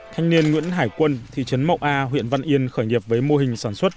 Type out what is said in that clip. thanh niên nguyễn hải quân thị trấn mậu a huyện văn yên khởi nghiệp với mô hình sản xuất